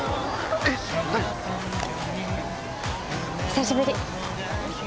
久しぶり！